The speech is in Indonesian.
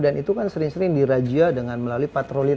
dan itu kan sering sering dirajia dengan melalui patrolit